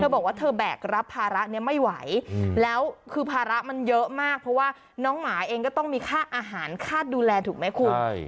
บอกว่าเธอแบกรับภาระนี้ไม่ไหวแล้วคือภาระมันเยอะมากเพราะว่าน้องหมาเองก็ต้องมีค่าอาหารค่าดูแลถูกไหมคุณ